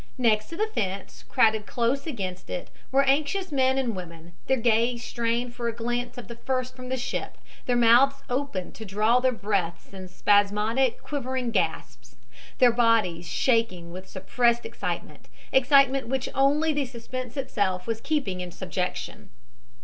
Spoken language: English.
Next to the fence, crowded close against it, were anxious men and women, their gaze strained for a glance of the first from the ship, their mouths opened to draw their breaths in spasmodic, quivering gasps, their very bodies shaking with suppressed excitement, excitement which only the suspense itself was keeping in subjection.